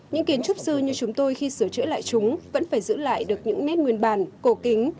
những kiến trúc sư như chúng tôi khi sửa chữa lại chúng vẫn phải giữ lại được những nét nguyên bản cổ kính